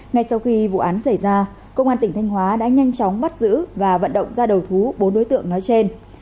ngay sau khi vụ án xảy ra công an tỉnh thanh hóa đã nhanh chóng bắt giữ và vận động ra đầu thú bốn đối tượng nói trên